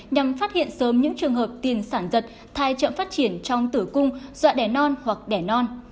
nhằm phát hiện sớm những trường hợp tiền sản giật thai chậm phát triển trong tử cung dọa đẻ non hoặc đẻ non